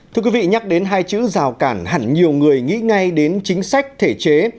thưa quý vị nhắc đến hai chữ rào cản hẳn nhiều người nghĩ ngay đến chính sách thể chế